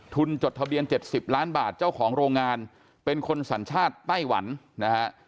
จดทะเบียน๗๐ล้านบาทเจ้าของโรงงานเป็นคนสัญชาติไต้หวันนะฮะ